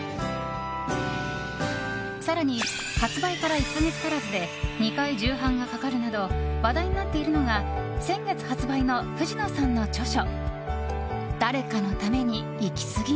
更に、発売から１か月足らずで２回重版がかかるなど話題になっているのが先月発売の藤野さんの著書